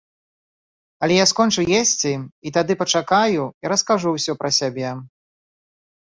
Але я скончу есці і тады пачакаю і раскажу ўсё пра сябе.